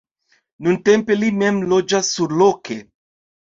Nuntempe li mem loĝas surloke.